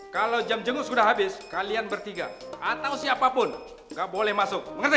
kalau jam jenguk sudah habis kalian bertiga atau siapapun gak boleh masuk mengerti